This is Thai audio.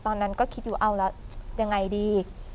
ตอนนั้นก็คิดอยู่เอาแล้วยังไงดี